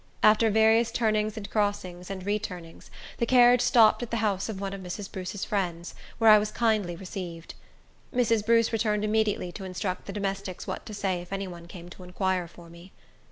After various turnings and crossings, and returnings, the carriage stopped at the house of one of Mrs. Bruce's friends, where I was kindly received. Mrs. Bruce returned immediately, to instruct the domestics what to say if any one came to inquire for me.